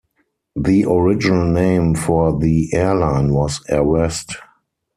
The original name for the airline was Air West.